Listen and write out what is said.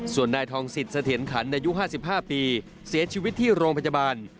ส่วนนายทองสิทธิเสถียรขันอายุ๕๕ปีเสียชีวิตที่โรงพยาบาล